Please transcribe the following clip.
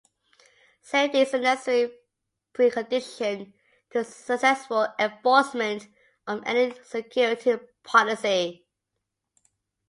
Safety is a necessary precondition to successful enforcement of "any" security policy.